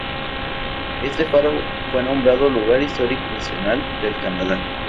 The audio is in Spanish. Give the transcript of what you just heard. Este faro fue nombrado Lugar Histórico Nacional del Canadá.